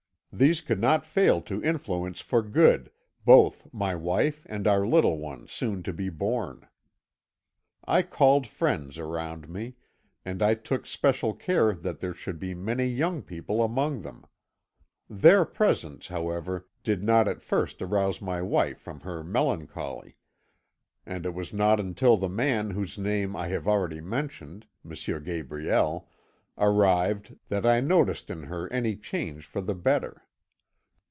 These could not fail to influence for good both my wife and our little one soon to be born. "I called friends around me, and I took special care that there should be many young people among them. Their presence, however, did not at first arouse my wife from her melancholy, and it was not until the man whose name I have already mentioned M. Gabriel arrived that I noticed in her any change for the better.